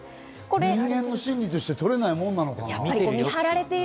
人間の心理として、とれないものなのかな？